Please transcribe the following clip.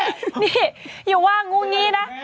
นี่อย่าว่างูงี้นะ